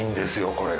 これが。